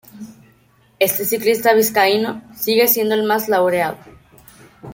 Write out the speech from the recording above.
Este ciclista vizcaíno sigue siendo el más laureado.